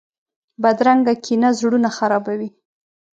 بدرنګه کینه زړونه خرابوي